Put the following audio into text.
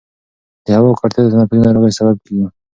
د هوا ککړتیا د تنفسي ناروغیو سبب کېږي.